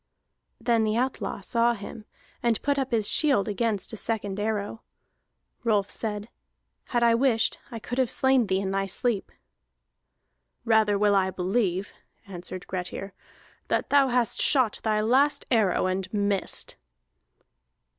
Then the outlaw saw him, and put up his shield against a second arrow. Rolf said: "Had I wished, I could have slain thee in thy sleep." "Rather will I believe," answered Grettir, "that thou hast shot thy last arrow, and missed."